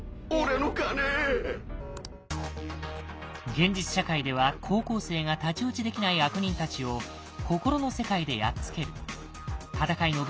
現実社会では高校生が太刀打ちできない悪人たちを心の世界でやっつける。